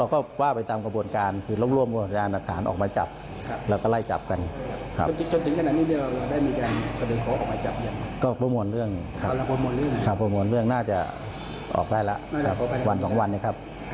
กดีนี้หนักใจไหมครับ